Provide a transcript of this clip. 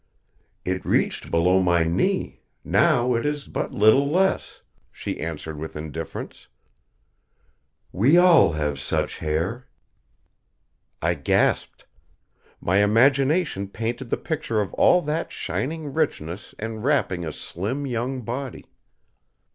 "It reached below my knee, now it is but little less," she answered with indifference. "We all have such hair." I gasped. My imagination painted the picture of all that shining richness enwrapping a slim young body.